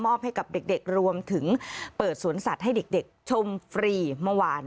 ให้กับเด็กรวมถึงเปิดสวนสัตว์ให้เด็กชมฟรีเมื่อวาน